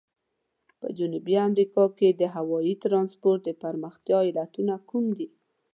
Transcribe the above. په جنوبي امریکا کې د هوایي ترانسپورت د پرمختیا علتونه کوم دي؟